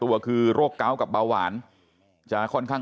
กระดิ่งเสียงเรียกว่าเด็กน้อยจุดประดิ่ง